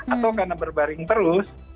atau karena berbaring terus